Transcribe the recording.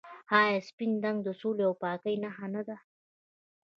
آیا سپین رنګ د سولې او پاکۍ نښه نه ده؟